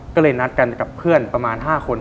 ก็เลยนัดกันกับเพื่อนประมาณ๕คน